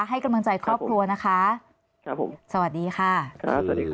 ให้กำลังใจครอบครัวนะคะสวัสดีค่ะคุณธนวัยคะสวัสดีครับ